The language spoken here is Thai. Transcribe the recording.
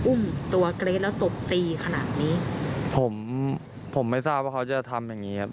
อุ้มตัวเกรทแล้วตบตีขนาดนี้ผมผมไม่ทราบว่าเขาจะทำอย่างงี้ครับ